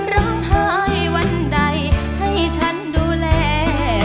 ร้องไห้วันใดให้ฉันดูแล